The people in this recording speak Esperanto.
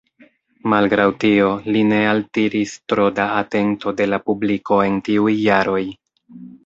Malgraŭ tio, li ne altiris tro da atento de la publiko en tiuj jaroj.